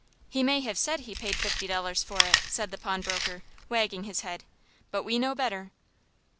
"He may have said he paid fifty dollars for it," said the pawnbroker, wagging his head, "but we know better."